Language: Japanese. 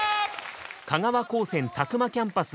香川高専詫間キャンパス